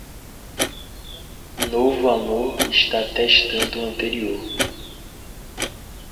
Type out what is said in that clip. Novo amor está testando o anterior.